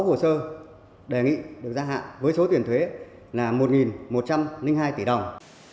sáu hồ sơ đề nghị được gia hạn với số tiền thuế là một một trăm linh hai tỷ đồng